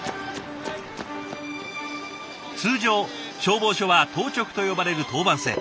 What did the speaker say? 通常消防署は当直と呼ばれる当番制。